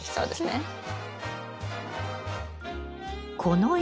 はい。